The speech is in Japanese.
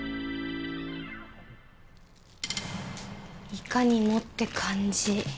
いかにもって感じ。